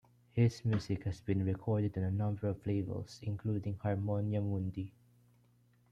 His music has been recorded on a number of labels, including Harmonia Mundi.